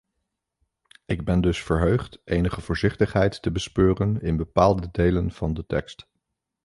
Ik ben dus verheugd enige voorzichtigheid te bespeuren in bepaalde delen van de tekst.